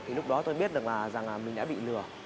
thì lúc đó tôi biết được là mình đã bị lừa